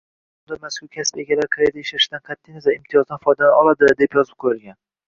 Qonunda mazkur kasb egalari qayerda ishlashidan qatʼiy nazar, imtiyozdan foydalana oladi deb yozib qoʻyilgan.